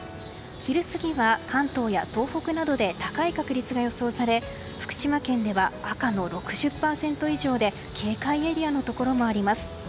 昼過ぎは、関東や東北などで高い確率が予想され福島県では赤の６０％以上で警戒エリアのところもあります。